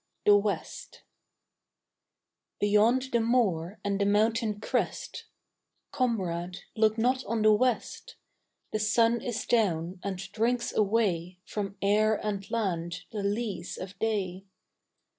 I. THE WEST Beyond the moor and the mountain crest Comrade, look not on the west The sun is down and drinks away From air and land the lees of day.